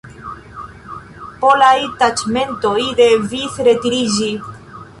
Polaj taĉmentoj devis retiriĝi.